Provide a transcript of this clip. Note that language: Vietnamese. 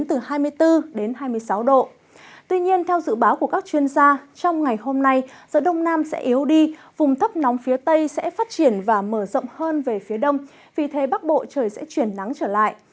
tuy nhiên theo dự báo của các chuyên gia trong ngày hôm nay giữa đông nam sẽ yếu đi vùng thấp nóng phía tây sẽ phát triển và mở rộng hơn về phía đông vì thế bắc bộ trời sẽ chuyển nắng trở lại